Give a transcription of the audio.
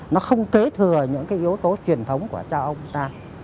nó không kế thừa những cái yếu tố truyền thống của cha ông ta